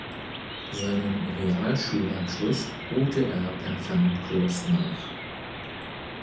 Seinen Realschulabschluss holte er per Fernkurs nach.